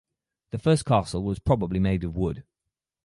The first castle was probably made of wood.